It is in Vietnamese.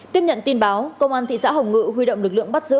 tiếp nhận tin báo công an thị xã hồng ngự huy động lực lượng bắt giữ